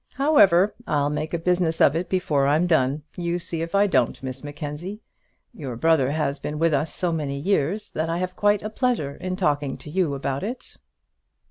However, I'll make a business of it before I'm done; you see if I don't, Miss Mackenzie. Your brother has been with us so many years that I have quite a pleasure in talking to you about it."